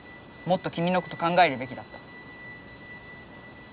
もっときみのこと考えるべきだった。